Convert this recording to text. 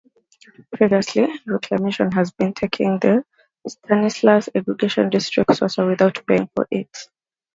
Previously, Reclamation had been taking the Stanislaus irrigation districts' water without paying for it.